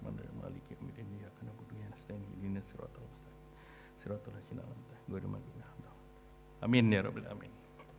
amin ya rabu'l amin